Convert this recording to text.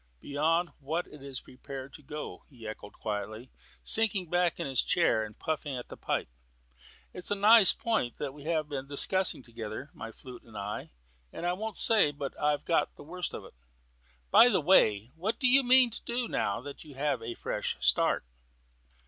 "Beyond what it is prepared to go," he echoed quietly, sinking back in his chair and puffing at the pipe. "It's a nice point that we have been discussing together, my flute and I, and I won't say but that I've got the worst of it. By the way, what do you mean to do now that you have a fresh start?"